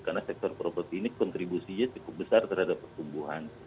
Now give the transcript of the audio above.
karena sektor properti ini kontribusinya cukup besar terhadap pertumbuhan